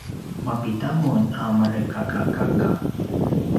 mapida mun a marekakakaka?